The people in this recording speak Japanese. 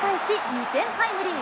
２点タイムリー。